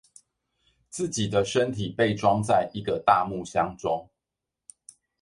自己的身體被裝在一個大木箱中